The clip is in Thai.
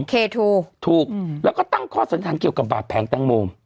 เคทูถูกอืมแล้วก็ตั้งข้อสัญญาณเกี่ยวกับบาดแผงตั้งโมง